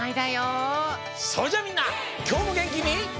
それじゃあみんなきょうもげんきに。